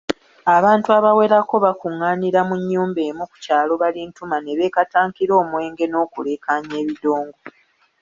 Abantu abawerako bakungaanira mu nnyumba emu ku kyalo Balintuma ne beekatankira omwenge n’okuleekanya ebidongo.